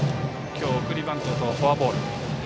今日送りバントとフォアボール。